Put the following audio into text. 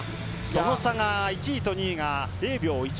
その差が１位と２位が０秒１８。